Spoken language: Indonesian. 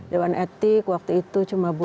dewan etik waktu itu cuma butuh waktu